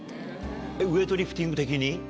ウエイトリフティング的に？